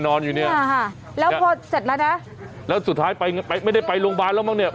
อยู่เนี่ยอ่าค่ะแล้วพอเสร็จแล้วนะแล้วสุดท้ายไปไม่ได้ไปโรงพยาบาลแล้วมั้งเนี่ย